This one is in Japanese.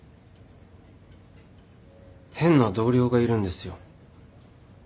変な同僚がいるんですよ。